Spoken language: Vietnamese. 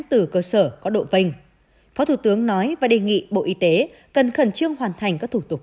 từ cơ sở có độ vây phó thủ tướng nói và đề nghị bộ y tế cần khẩn trương hoàn thành các thủ tục